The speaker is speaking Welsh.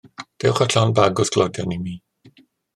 Dewch â llond bag o sglodion i mi.